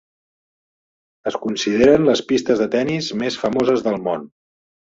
Es consideren les pistes de tennis més famoses del món.